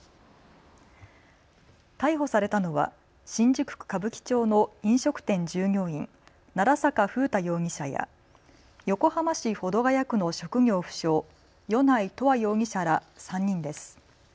逮捕されたのは新宿区歌舞伎町の飲食店従業員、奈良坂楓太容疑者や横浜市保土ケ谷区の職業不詳、米内永遠容疑者ら３人です。